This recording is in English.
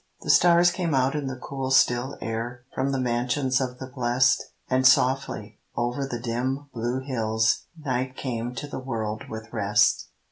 The stars came out in the cool still air, From the mansions of the blest, And softly, over the dim blue hills, Night came to the world with rest.